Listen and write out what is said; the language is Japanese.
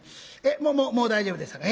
「もうもう大丈夫ですさかい。